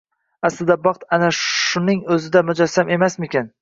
Aslida baxt ana shuning o`zida mujassam emasmikan